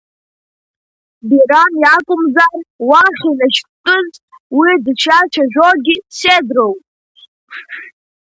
Бирам иакумзар уахь инашьҭтәыз, уи дышиацәажәогьы сеидроу?